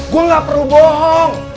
gue gak perlu bohong